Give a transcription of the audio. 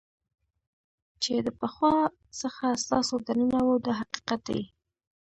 چې د پخوا څخه ستاسو دننه وو دا حقیقت دی.